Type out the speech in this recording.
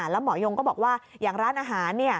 แล้วหมอยงก็บอกว่าอย่างร้านอาหาร